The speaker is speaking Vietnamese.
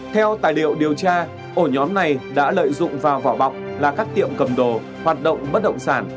theo tài liệu điều tra ổ nhóm này đã lợi dụng vào vỏ bọc là các tiệm cầm đồ hoạt động bất động sản